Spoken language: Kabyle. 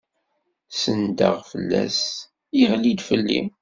Sendeɣ fell-as, yeɣli-d fell-i